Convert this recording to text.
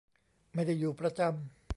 ไม่ได้อยู่ประจำ